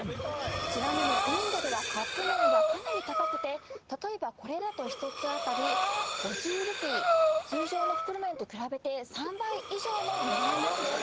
ちなみにインドではカップ麺はかなり高くてたとえばこれだと１つあたり５０ルピー通常の袋麺と比べて３倍以上の値段なんです